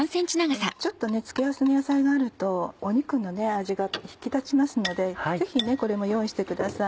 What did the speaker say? ちょっとね付け合わせの野菜があると肉の味が引き立ちますのでぜひこれも用意してください。